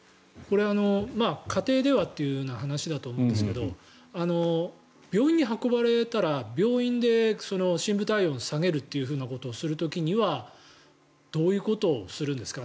これ、家庭ではという話だと思うんですけど病院に運ばれたら病院で深部体温を下げるということをする時にはどういうことをするんですか？